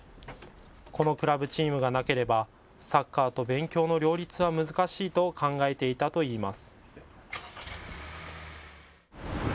このクラブチームがなければサッカーと勉強の両立は難しいと考えていたといいます。